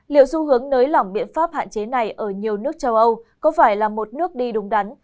liệu xu hướng nới lỏng biện pháp hạn chế này ở nhiều nước châu âu có phải là một nước đi đúng đắn